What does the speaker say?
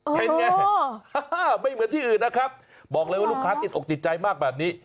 เป็นไงไม่เหมือนที่อื่นนะครับบอกเลยว่าลูกค้าติดอกติดใจมากแบบนี้